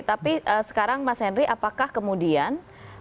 tapi sekarang mas henry apakah kemudian